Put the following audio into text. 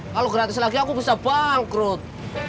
kalau gratis lagi aku bisa bangkrut